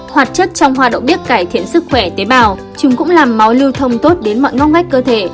hoạt chất trong hoa đậu bếp cải thiện sức khỏe tế bào chúng cũng làm máu lưu thông tốt đến mọi ngóc ngách cơ thể